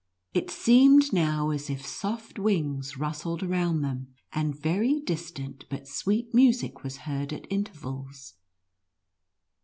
It seemed now as if soft wings rustled around them, and very distant, but sweet music was heard at inter vals.